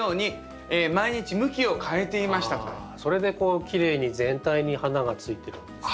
それでこうきれいに全体に花がついてるんですね。